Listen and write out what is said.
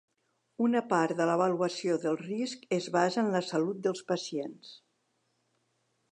Una part de l'avaluació del risc es basa en la salut dels pacients.